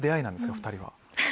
２人は。